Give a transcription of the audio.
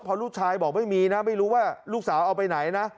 เพราะลูกชายบอกไม่มีนะไม่รู้ว่าลูกสาวเอาไปไหนนะ